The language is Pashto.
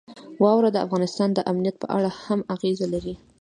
واوره د افغانستان د امنیت په اړه هم اغېز لري.